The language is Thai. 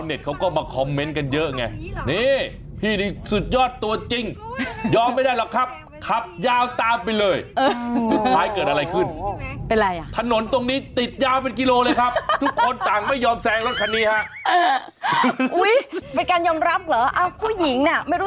เออก็แซงสิเออเอาแซงสิก็เลยต้องขับตามอย่างนี้ไง